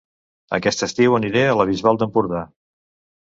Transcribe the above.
Aquest estiu aniré a La Bisbal d'Empordà